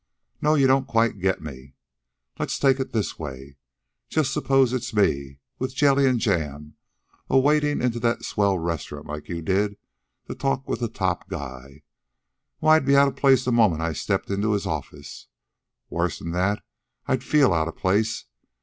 "No. You don't quite get me. Let's take it this way. Just suppose it's me, with jam an' jelly, a wadin' into that swell restaurant like you did to talk with the top guy. Why, I'd be outa place the moment I stepped into his office. Worse'n that, I'd feel outa place.